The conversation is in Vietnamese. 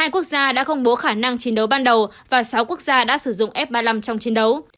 một mươi quốc gia đã công bố khả năng chiến đấu ban đầu và sáu quốc gia đã sử dụng f ba mươi năm trong chiến đấu